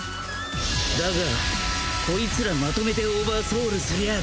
だがコイツらまとめてオーバーソウルすりゃあ